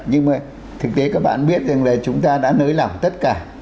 nhưng mà thực tế các bạn biết rằng là chúng ta đã nới lỏng tất cả